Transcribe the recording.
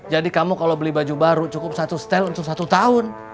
jadi kamu kalau beli baju baru cukup satu setel untuk satu tahun